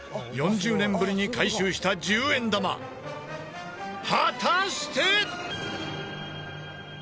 ４０年ぶりに回収した１０円玉果たして。